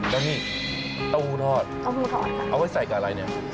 แล้วนี่เต้าหู้ทอดเต้าหู้ทอดค่ะเอาไว้ใส่กับอะไรเนี่ย